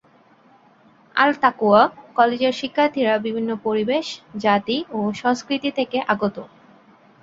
আল-তাকওয়া কলেজের শিক্ষার্থীরা বিভিন্ন পরিবেশ, জাতি ও সংস্কৃতি থেকে আগত।